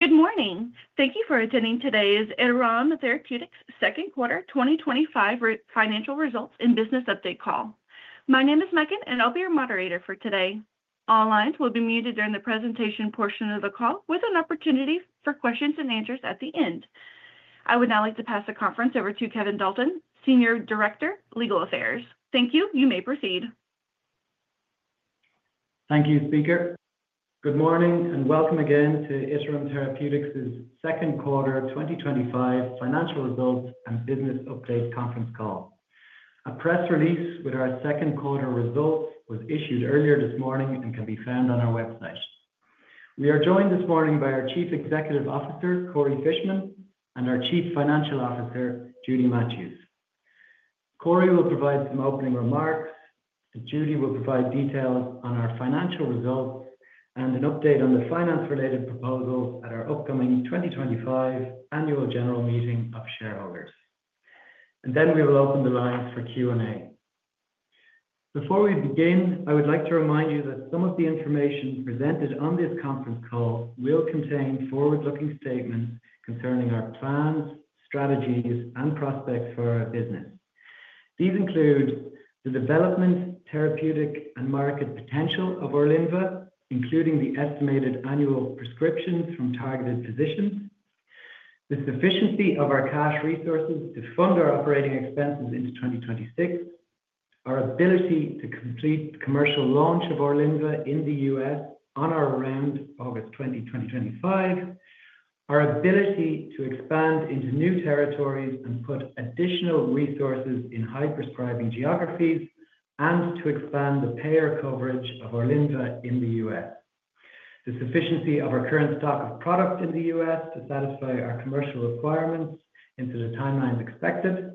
Good morning. Thank you for attending today's Iterum Therapeutics Second Quarter 2025 Financial Results and Business Update Call. My name is Megan, and I'll be your moderator for today. All lines will be muted during the presentation portion of the call, with an opportunity for questions and answers at the end. I would now like to pass the conference over to Kevin Dalton, Senior Director, Legal Affairs. Thank you. You may proceed. Thank you, Speaker. Good morning and welcome again to Iterum Therapeutics' Second Quarter 2025 Financial Results and Business Update Conference Call. A press release with our second quarter results was issued earlier this morning and can be found on our website. We are joined this morning by our Chief Executive Officer, Corey Fishman, and our Chief Financial Officer, Judy Matthews. Corey will provide some opening remarks, and Judy will provide details on our financial results and an update on the finance-related proposal at our upcoming 2025 annual general meeting of shareholders. We will open the lines for Q&A. Before we begin, I would like to remind you that some of the information presented on this conference call will contain forward-looking statements concerning our plans, strategies, and prospects for our business. These include the development, therapeutic, and market potential of ORLYNVAH, including the estimated annual prescriptions from targeted positions, the sufficiency of our cash resources to fund our operating expenses into 2026, our ability to complete the commercial launch of ORLYNVAH in the U.S. on or around August 2025, our ability to expand into new territories and put additional resources in high-prescribing geographies, and to expand the payer coverage of ORLYNVAH in the U.S. The sufficiency of our current stock of products in the U.S. to satisfy our commercial requirements into the timeline expected.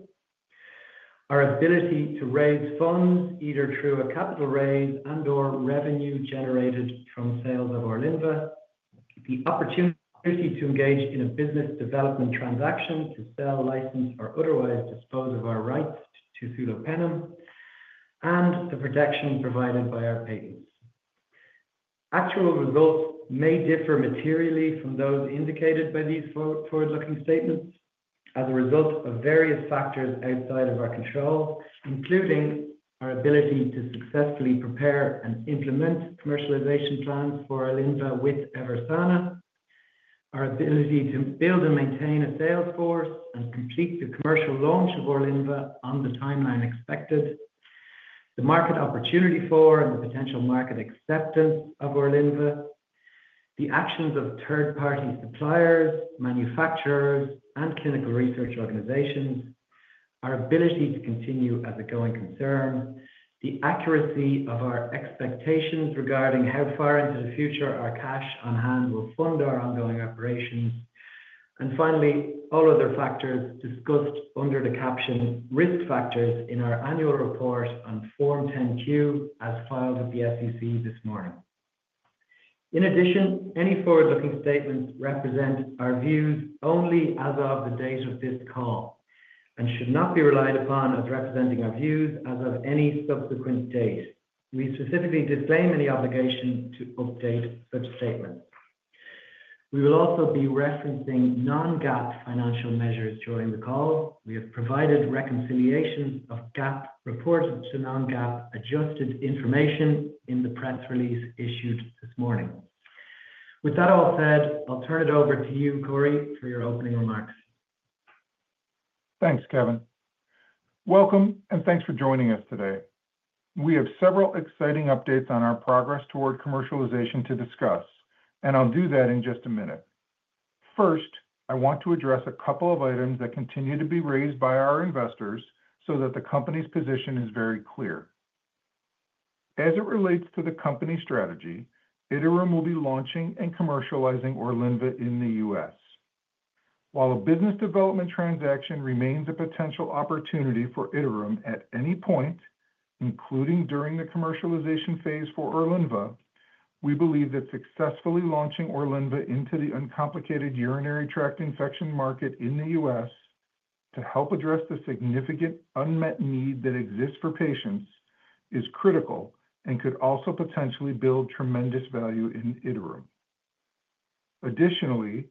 Our ability to raise funds either through a capital raise and/or revenue generated from sales of ORLYNVAH. The opportunity to engage in a business development transaction to sell, license, or otherwise dispose of our rights to sulopenem, and the protection provided by our patents. Actual results may differ materially from those indicated by these forward-looking statements as a result of various factors outside of our control, including our ability to successfully prepare and implement commercialization plans for ORLYNVAH with EVERSANA. Our ability to build and maintain a sales force and complete the commercial launch of ORLYNVAH on the timeline expected. The market opportunity for and the potential market acceptance of ORLYNVAH. The actions of third-party suppliers, manufacturers, and clinical research organizations. Our ability to continue as a going concern. The accuracy of our expectations regarding how far into the future our cash on hand will fund our ongoing operations. All other factors discussed under the captioned risk factors in our annual report on Form 10-Q as filed with the SEC this morning. In addition, any forward-looking statements represent our views only as of the date of this call and should not be relied upon as representing our views as of any subsequent date. We specifically disclaim any obligation to update such statements. We will also be referencing non-GAAP financial measures during the call. We have provided reconciliations of GAAP reports to non-GAAP adjusted information in the press release issued this morning. With that all said, I'll turn it over to you, Corey, for your opening remarks. Thanks, Kevin. Welcome, and thanks for joining us today. We have several exciting updates on our progress toward commercialization to discuss, and I'll do that in just a minute. First, I want to address a couple of items that continue to be raised by our investors so that the company's position is very clear. As it relates to the company strategy, Iterum will be launching and commercializing ORLYNVAH in the U.S. While a business development transaction remains a potential opportunity for Iterum at any point, including during the commercialization phase for ORLYNVAH, we believe that successfully launching ORLYNVAH into the uncomplicated urinary tract infection market in the U.S. to help address the significant unmet need that exists for patients is critical and could also potentially build tremendous value in Iterum. Additionally,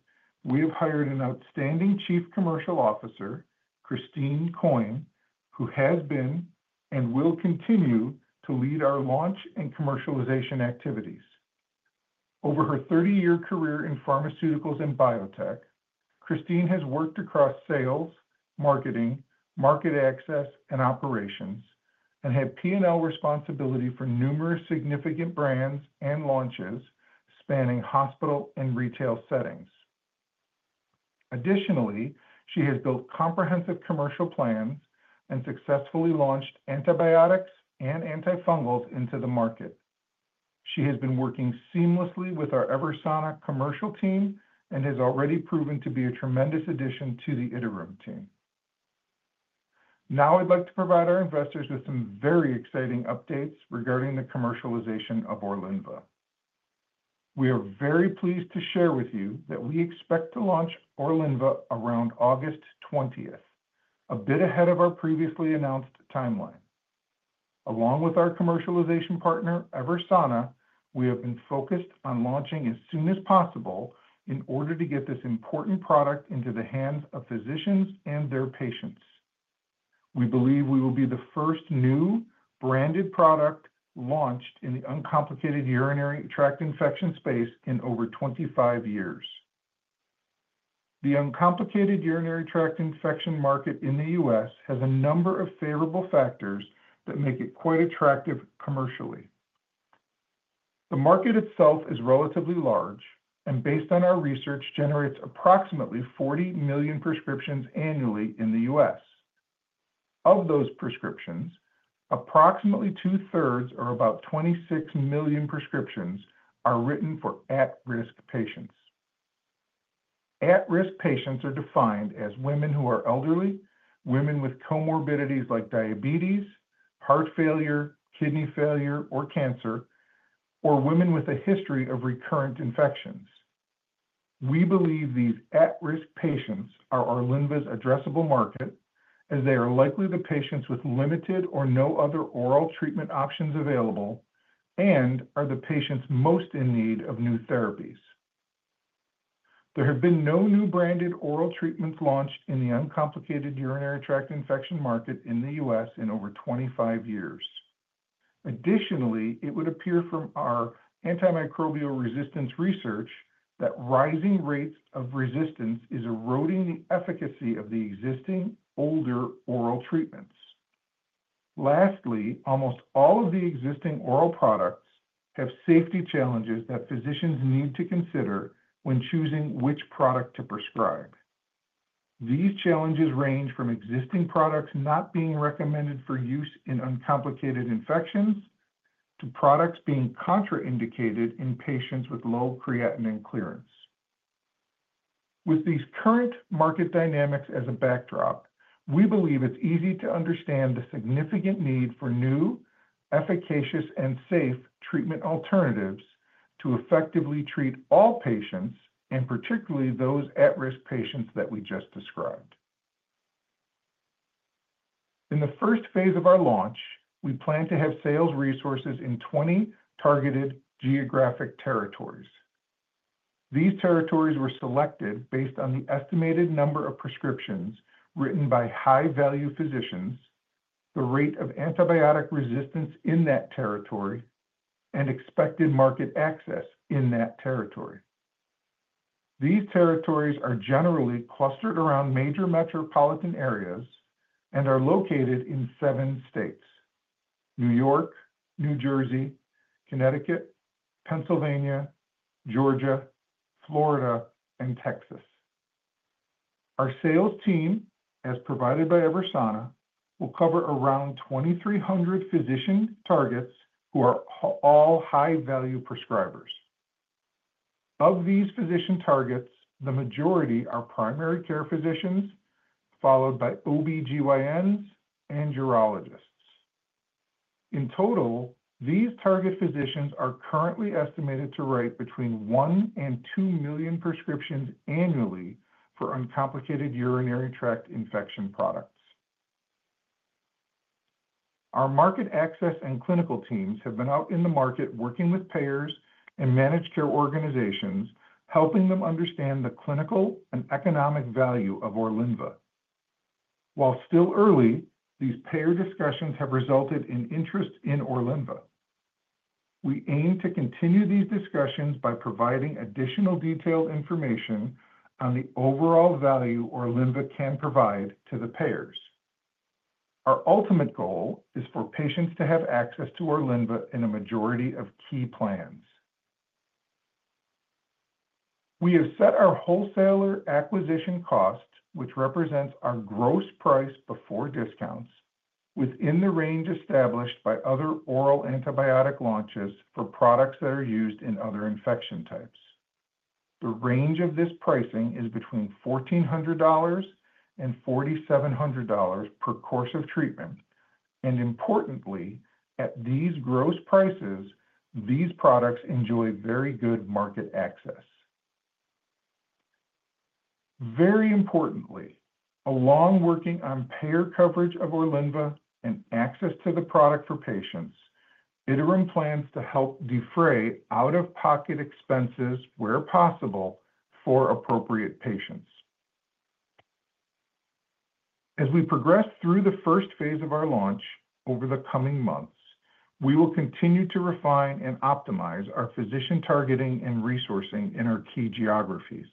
we have hired an outstanding Chief Commercial Officer, Christine Coyne, who has been and will continue to lead our launch and commercialization activities. Over her 30-year career in pharmaceuticals and biotech, Christine has worked across sales, marketing, market access, and operations, and had P&L responsibility for numerous significant brands and launches spanning hospital and retail settings. Additionally, she has built comprehensive commercial plans and successfully launched antibiotics and antifungals into the market. She has been working seamlessly with our EVERSANA commercial team and has already proven to be a tremendous addition to the Iterum team. Now I'd like to provide our investors with some very exciting updates regarding the commercialization of ORLYNVAH. We are very pleased to share with you that we expect to launch ORLYNVAH around August 20th, a bit ahead of our previously announced timeline. Along with our commercialization partner, EVERSANA, we have been focused on launching as soon as possible in order to get this important product into the hands of physicians and their patients. We believe we will be the first new branded product launched in the uncomplicated urinary tract infection space in over 25 years. The uncomplicated urinary tract infection market in the U.S. has a number of favorable factors that make it quite attractive commercially. The market itself is relatively large and, based on our research, generates approximately 40 million prescriptions annually in the U.S. Of those prescriptions, approximately 2/3, or about 26 million prescriptions, are written for at-risk patients. At-risk patients are defined as women who are elderly, women with comorbidities like diabetes, heart failure, kidney failure, or cancer, or women with a history of recurrent infections. We believe these at-risk patients are ORLYNVAH's addressable market as they are likely the patients with limited or no other oral treatment options available and are the patients most in need of new therapies. There have been no new branded oral treatments launched in the uncomplicated urinary tract infection market in the U.S. in over 25 years. Additionally, it would appear from our antimicrobial resistance research that rising rates of resistance are eroding the efficacy of the existing older oral treatments. Lastly, almost all of the existing oral products have safety challenges that physicians need to consider when choosing which product to prescribe. These challenges range from existing products not being recommended for use in uncomplicated infections to products being contraindicated in patients with low creatinine clearance. With these current market dynamics as a backdrop, we believe it's easy to understand the significant need for new, efficacious, and safe treatment alternatives to effectively treat all patients, and particularly those at-risk patients that we just described. In the first phase of our launch, we plan to have sales resources in 20 targeted geographic territories. These territories were selected based on the estimated number of prescriptions written by high-value physicians, the rate of antibiotic resistance in that territory, and expected market access in that territory. These territories are generally clustered around major metropolitan areas and are located in seven states: New York, New Jersey, Connecticut, Pennsylvania, Georgia, Florida, and Texas. Our sales team, as provided by EVERSANA, will cover around 2,300 physician targets who are all high-value prescribers. Of these physician targets, the majority are primary care physicians, followed by OB-GYNs and urologists. In total, these target physicians are currently estimated to write between one and two million prescriptions annually for uncomplicated urinary tract infection products. Our market access and clinical teams have been out in the market working with payers and managed care organizations, helping them understand the clinical and economic value of ORLYNVAH. While still early, these payer discussions have resulted in interest in ORLYNVAH. We aim to continue these discussions by providing additional detailed information on the overall value ORLYNVAH can provide to the payers. Our ultimate goal is for patients to have access to ORLYNVAH in a majority of key plans. We have set our wholesaler acquisition cost, which represents our gross price before discounts, within the range established by other oral antibiotic launches for products that are used in other infection types. The range of this pricing is between $1,400 and $4,700 per course of treatment. Importantly, at these gross prices, these products enjoy very good market access. Very importantly, along with working on payer coverage of ORLYNVAH and access to the product for patients, Iterum plans to help defray out-of-pocket expenses where possible for appropriate patients. As we progress through the first phase of our launch over the coming months, we will continue to refine and optimize our physician targeting and resourcing in our key geographies.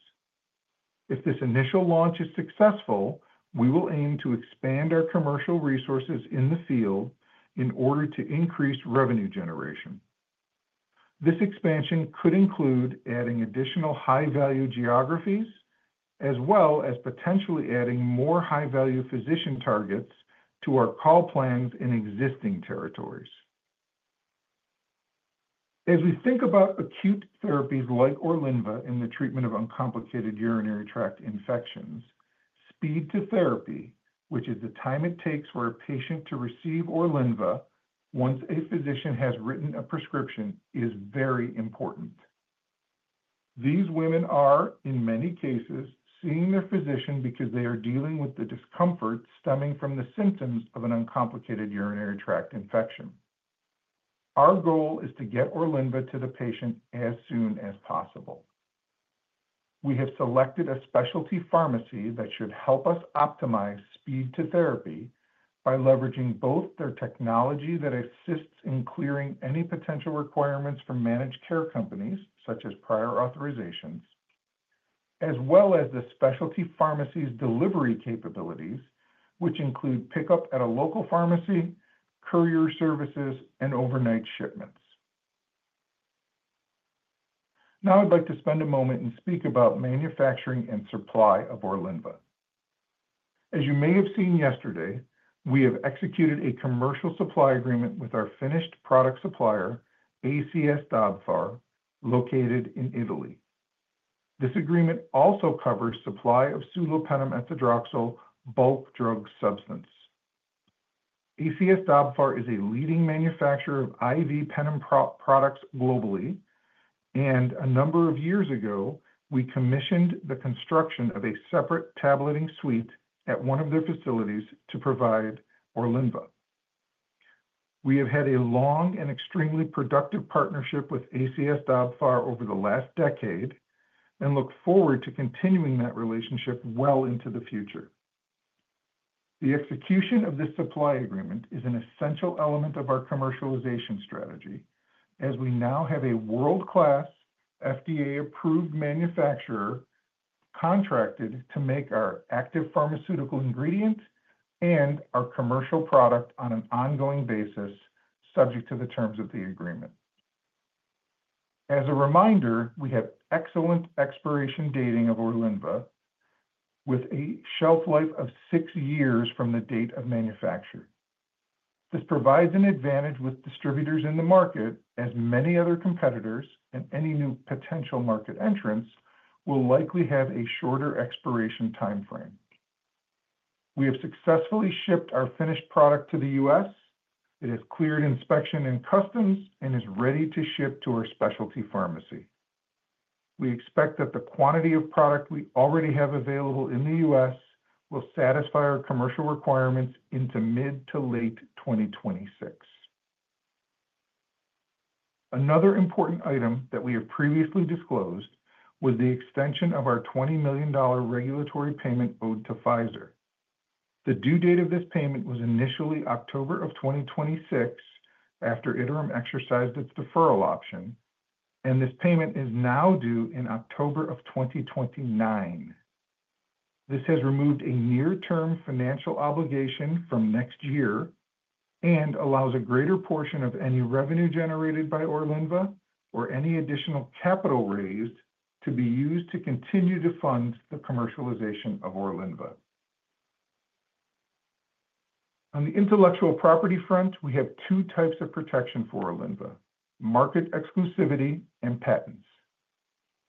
If this initial launch is successful, we will aim to expand our commercial resources in the field in order to increase revenue generation. This expansion could include adding additional high-value geographies, as well as potentially adding more high-value physician targets to our call plans in existing territories. As we think about acute therapies like ORLYNVAH in the treatment of uncomplicated urinary tract infections, speed to therapy, which is the time it takes for a patient to receive ORLYNVAH once a physician has written a prescription, is very important. These women are, in many cases, seeing their physician because they are dealing with the discomfort stemming from the symptoms of an uncomplicated urinary tract infection. Our goal is to get ORLYNVAH to the patient as soon as possible. We have selected a specialty pharmacy that should help us optimize speed to therapy by leveraging both their technology that assists in clearing any potential requirements from managed care companies, such as prior authorizations, as well as the specialty pharmacy's delivery capabilities, which include pickup at a local pharmacy, courier services, and overnight shipments. Now I'd like to spend a moment and speak about manufacturing and supply of ORLYNVAH. As you may have seen yesterday, we have executed a commercial supply agreement with our finished product supplier, ACS Dobfar, located in Italy. This agreement also covers supply of sulopenem etzadroxil bulk drug substance. ACS Dobfar is a leading manufacturer of IV penem products globally, and a number of years ago, we commissioned the construction of a separate tableting suite at one of their facilities to provide ORLYNVAH. We have had a long and extremely productive partnership with ACS Dobfar over the last decade and look forward to continuing that relationship well into the future. The execution of this supply agreement is an essential element of our commercialization strategy, as we now have a world-class FDA-approved manufacturer contracted to make our active pharmaceutical ingredients and our commercial product on an ongoing basis, subject to the terms of the agreement. As a reminder, we had excellent expiration dating of ORLYNVAH, with a shelf life of six years from the date of manufacture. This provides an advantage with distributors in the market, as many other competitors and any new potential market entrants will likely have a shorter expiration timeframe. We have successfully shipped our finished product to the U.S. It has cleared inspection and customs and is ready to ship to our specialty pharmacy. We expect that the quantity of product we already have available in the U.S. will satisfy our commercial requirements into mid to late 2026. Another important item that we have previously disclosed was the extension of our $20 million regulatory payment owed to Pfizer. The due date of this payment was initially October of 2026, after Iterum exercised its deferral option, and this payment is now due in October of 2029. This has removed a near-term financial obligation from next year and allows a greater portion of any revenue generated by ORLYNVAH or any additional capital raised to be used to continue to fund the commercialization of ORLYNVAH. On the intellectual property front, we have two types of protection for ORLYNVAH: market exclusivity and patents.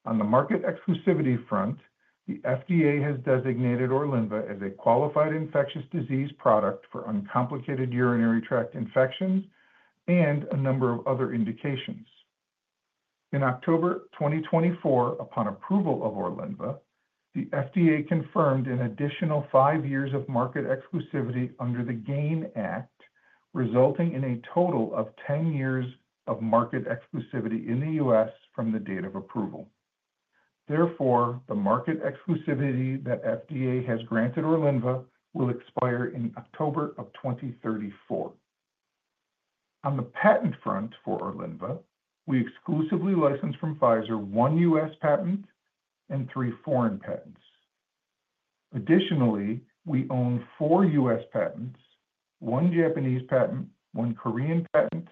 On the market exclusivity front, the FDA has designated ORLYNVAH as a qualified infectious disease product for uncomplicated urinary tract infections and a number of other indications. In October 2024, upon approval of ORLYNVAH, the FDA confirmed an additional five years of market exclusivity under the GAIN Act, resulting in a total of 10 years of market exclusivity in the U.S. from the date of approval. Therefore, the market exclusivity that FDA has granted ORLYNVAH will expire in October of 2034. On the patent front for ORLYNVAH, we exclusively license from Pfizer one U.S. patent and three foreign patents. Additionally, we own four U.S. patents, one Japanese patent, one Korean patent,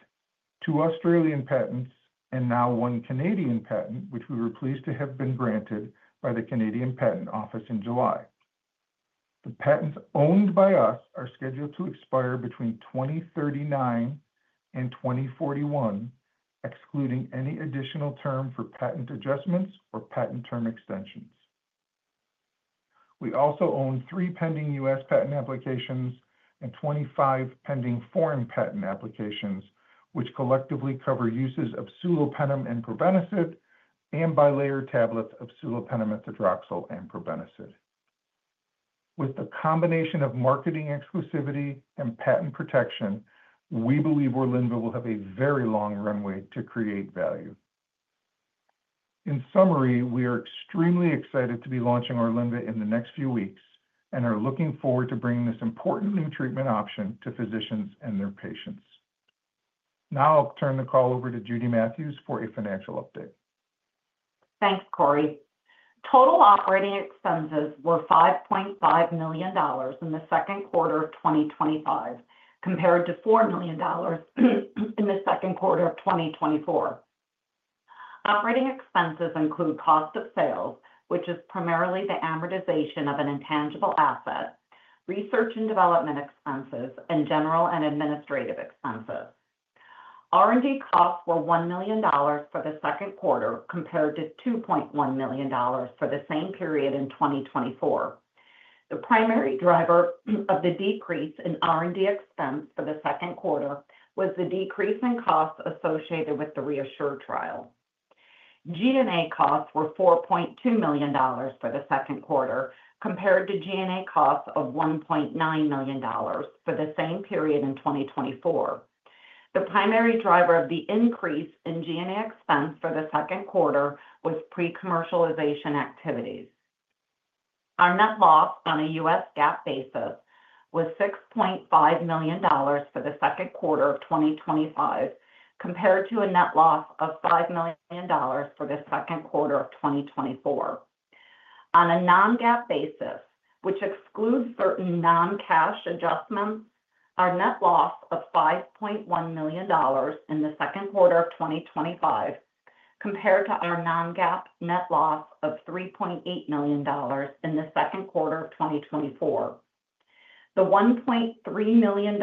two Australian patents, and now one Canadian patent, which we were pleased to have been granted by the Canadian Patent Office in July. The patents owned by us are scheduled to expire between 2039 and 2041, excluding any additional term for patent adjustments or patent term extensions. We also own three pending U.S. patent applications and 25 pending foreign patent applications, which collectively cover uses of sulopenem and probenecid and bilayer tablets of sulopenem etzadroxil and probenecid. With the combination of marketing exclusivity and patent protection, we believe ORLYNVAH will have a very long runway to create value. In summary, we are extremely excited to be launching ORLYNVAH in the next few weeks and are looking forward to bringing this important new treatment option to physicians and their patients. Now I'll turn the call over to Judy Matthews for a financial update. Thanks, Corey. Total operating expenses were $5.5 million in the second quarter of 2025, compared to $4 million in the second quarter of 2024. Operating expenses include cost of sales, which is primarily the amortization of an intangible asset, research and development expenses, and general and administrative expenses. R&D costs were $1 million for the second quarter, compared to $2.1 million for the same period in 2024. The primary driver of the decrease in R&D expense for the second quarter was the decrease in costs associated with the REASSURE trial. G&A costs were $4.2 million for the second quarter, compared to G&A costs of $1.9 million for the same period in 2024. The primary driver of the increase in G&A expense for the second quarter was pre-commercialization activities. Our net loss on a U.S. GAAP basis was $6.5 million for the second quarter of 2025, compared to a net loss of $5 million for the second quarter of 2024. On a non-GAAP basis, which excludes certain non-cash adjustments, our net loss was $5.1 million in the second quarter of 2025, compared to our non-GAAP net loss of $3.8 million in the second quarter of 2024. The $1.3 million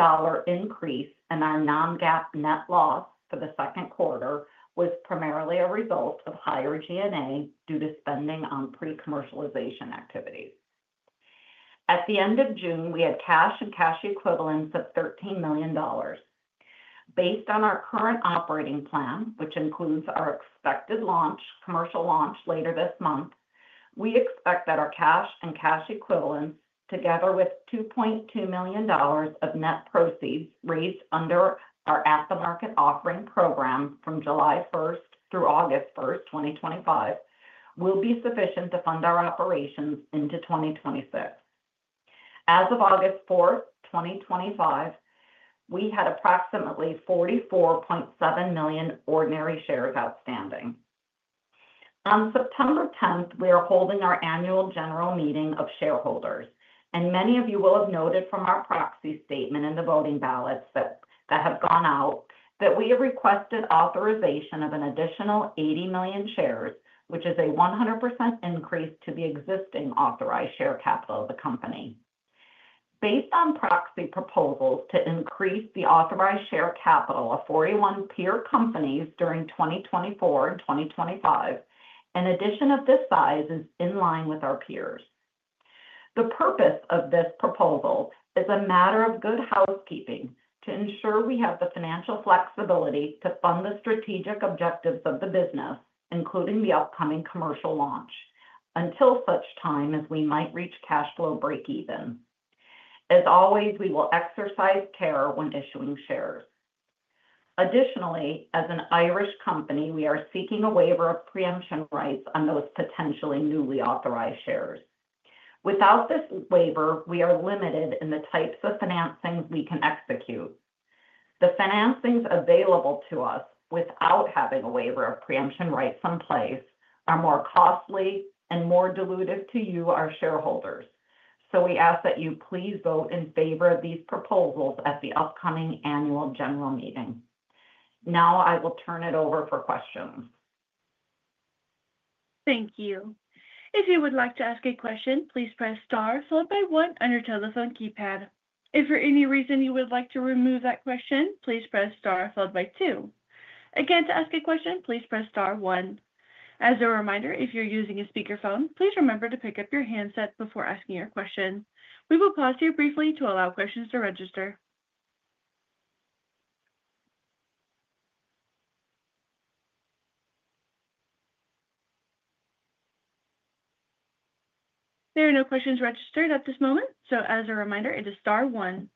increase in our non-GAAP net loss for the second quarter was primarily a result of higher G&A due to spending on pre-commercialization activities. At the end of June, we had cash and cash equivalents of $13 million. Based on our current operating plan, which includes our expected launch, commercial launch later this month, we expect that our cash and cash equivalents, together with $2.2 million of net proceeds raised under our aftermarket offering program from July 1st through August 1st, 2025, will be sufficient to fund our operations into 2026. As of August 4th, 2025, we had approximately 44.7 million ordinary shares outstanding. On September 10th, we are holding our annual general meeting of shareholders, and many of you will have noted from our proxy statement in the voting ballots that have gone out that we have requested authorization of an additional 80 million shares, which is a 100% increase to the existing authorized share capital of the company. Based on proxy proposals to increase the authorized share capital of 41 peer companies during 2024 and 2025, an addition of this size is in line with our peers. The purpose of this proposal is a matter of good housekeeping to ensure we have the financial flexibility to fund the strategic objectives of the business, including the upcoming commercial launch, until such time as we might reach cash flow break-even. As always, we will exercise care when issuing shares. Additionally, as an Irish company, we are seeking a waiver of preemption rights on those potentially newly authorized shares. Without this waiver, we are limited in the types of financing we can execute. The financings available to us without having a waiver of preemption rights in place are more costly and more dilutive to you, our shareholders. We ask that you please vote in favor of these proposals at the upcoming annual general meeting. Now I will turn it over for questions. Thank you. If you would like to ask a question, please press star followed by one on your telephone keypad. If for any reason you would like to remove that question, please press star followed by two. Again, to ask a question, please press star one. As a reminder, if you're using a speakerphone, please remember to pick up your handset before asking your question. We will pause here briefly to allow questions to register. There are no questions registered at this moment. As a reminder, it is star one.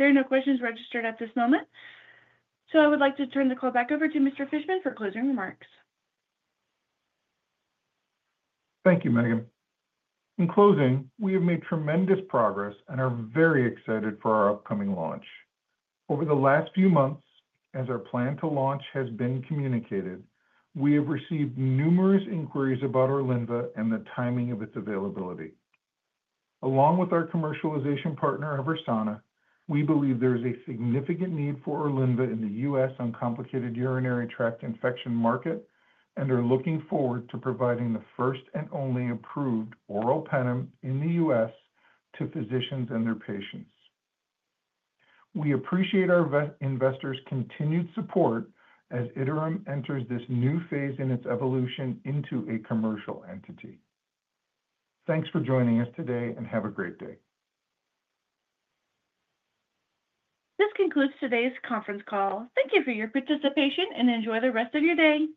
There are no questions registered at this moment. I would like to turn the call back over to Mr. Fishman for closing remarks. Thank you, Megan. In closing, we have made tremendous progress and are very excited for our upcoming launch. Over the last few months, as our plan to launch has been communicated, we have received numerous inquiries about ORLYNVAH and the timing of its availability. Along with our commercialization partner, EVERSANA, we believe there is a significant need for ORLYNVAH in the U.S. uncomplicated urinary tract infection market and are looking forward to providing the first and only approved oral penem in the U.S. to physicians and their patients. We appreciate our investors' continued support as Iterum enters this new phase in its evolution into a commercial entity. Thanks for joining us today and have a great day. This concludes today's conference call. Thank you for your participation and enjoy the rest of your day.